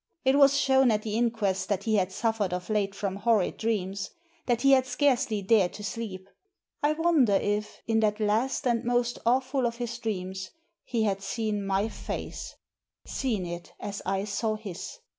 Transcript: It was shown at the inquest that he had suffered of late from horrid dreams — ^that he had scarcely dared to sleep. I wonder if, in that last and most awful of his dreams, he had seen my face — ^seen it as I saw his?